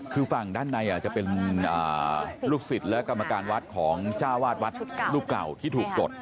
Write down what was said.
คือฝั่งด้านในจะเป็นลูกศิษย์และกรรมการวัดของจ้าวาดวัดรูปเก่าที่ถูกปลด